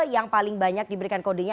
yang paling banyak diberikan kodenya